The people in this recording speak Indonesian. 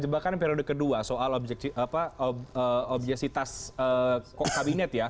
jebakan periode ke dua soal obyeksi apa obyeksitas kabinet ya